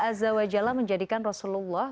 aza wa jalla menjadikan rasulullah